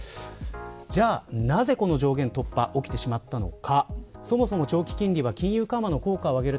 じゃあなぜ、この上限突破起きてしまったのか。